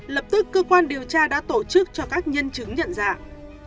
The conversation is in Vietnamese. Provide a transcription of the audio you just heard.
lập tức cơ quan điều tra đã tổ chức cho các nhân chứng nhận dạng